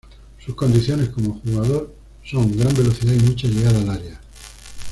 Sus condiciones como jugador son gran velocidad y mucha llegada al área.